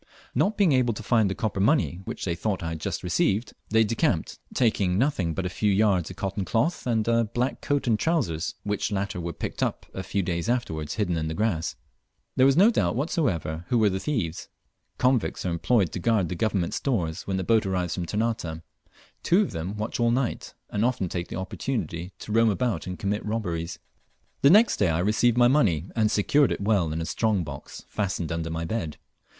Not being able to find the copper money which they thought I had just received, they decamped, taking nothing but a few yards of cotton cloth and a black coat and trousers, which latter were picked up a few days afterwards hidden in the grass. There was no doubt whatever who were the thieves. Convicts are employed to guard the Government stores when the boat arrives from Ternate. Two of them watch all night, and often take the opportunity to roam about and commit robberies. The next day I received my money, and secured it well in a strong box fastened under my bed.